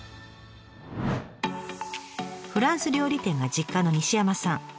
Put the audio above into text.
フランス料理店が実家の西山さん。